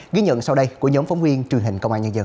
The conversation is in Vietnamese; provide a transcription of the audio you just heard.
ghi nhận sau đây của nhóm phóng viên truyền hình công an nhân dân